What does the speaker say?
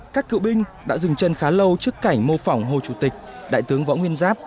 các cựu binh đã dừng chân khá lâu trước cảnh mô phỏng hồ chủ tịch đại tướng võ nguyên giáp